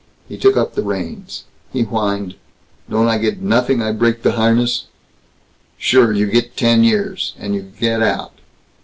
He took up the reins. He whined, "Don't I get nothing I break de harness?" "Sure. You get ten years! And you get out!"